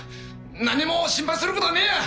何も心配することはねえや！